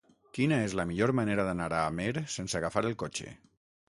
Quina és la millor manera d'anar a Amer sense agafar el cotxe?